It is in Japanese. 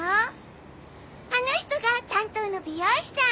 あの人が担当の美容師さん。